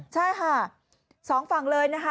ใช่ค่ะสองฝั่งเลยนะคะ